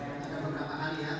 ada beberapa kali ya